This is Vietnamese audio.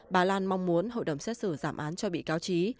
bà lan mong muốn hội đồng xét xử giảm án cho bị cáo trí